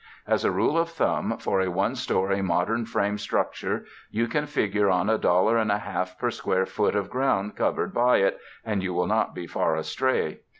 As a rule of thumb, for a one story, modern, frame structure, you can figure on a dollar and a half per square foot of ground covered by it, and you will not be far astray.